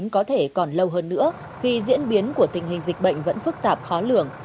có thể còn lâu hơn nữa khi diễn biến của tình hình dịch bệnh vẫn phức tạp khó lường